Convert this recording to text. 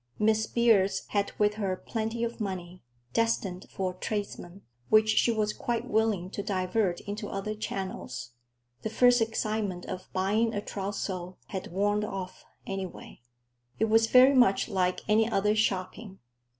Miss Beers had with her plenty of money, destined for tradesmen, which she was quite willing to divert into other channels—the first excitement of buying a trousseau had worn off, anyway. It was very much like any other shopping.